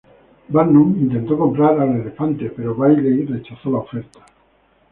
Barnum intentó comprar al elefante, pero Bailey rechazó la oferta.